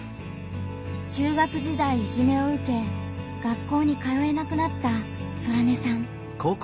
中学時代いじめを受け学校に通えなくなったソラネさん。